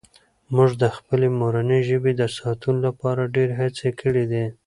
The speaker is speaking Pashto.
موږ د خپلې مورنۍ ژبې د ساتلو لپاره ډېرې هڅې کړي دي.